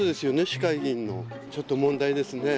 市会議員のちょっと問題ですね。